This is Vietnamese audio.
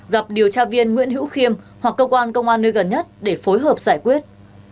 gặp điều tra viên nguyễn hữu khiêm hoặc cơ quan công an nơi gần nhất để phối hợp giải quyết